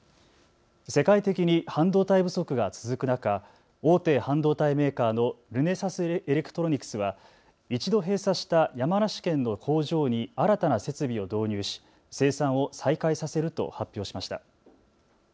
世界的に半導体不足が続く中、大手半導体メーカーのルネサスエレクトロニクスは一度閉鎖した山梨県の工場に新たな設備を導入し生産を再開させると発表しました。